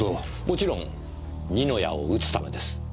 もちろん二の矢を打つためです。